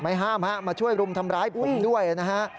ห้ามฮะมาช่วยรุมทำร้ายผมด้วยนะฮะ